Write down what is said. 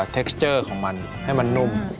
เทคสเจอร์ของมันให้มันนุ่ม